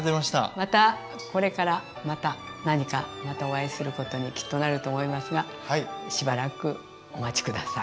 またこれからまた何かまたお会いすることにきっとなると思いますがしばらくお待ち下さい。